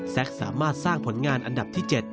สามารถสร้างผลงานอันดับที่๗